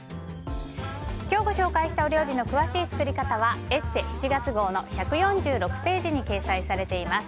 今日ご紹介したお料理の詳しい作り方は「ＥＳＳＥ」７月号の１４６ページに掲載されています。